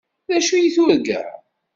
D acu i turga?